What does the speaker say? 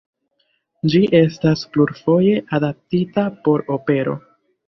Ĝi estas plurfoje adaptita por opero.